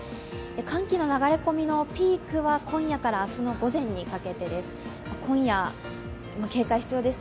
寒気の流れ込みのピークは今夜から明日の午前にかけてです。